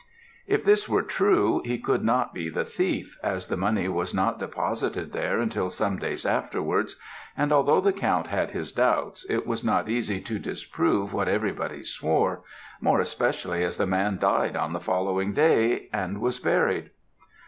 "If this were true, he could not be the thief, as the money was not deposited there till some days afterwards, and although the Count had his doubts, it was not easy to disprove what everybody swore, more especially as the man died on the following day, and was buried.